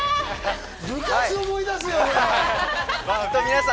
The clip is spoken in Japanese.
部活を思い出すよ、これ。